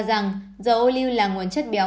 rằng dầu ô lưu là nguồn chất béo